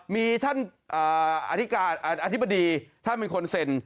มีท่านอธิบดีท่านเป็นคนเซ็น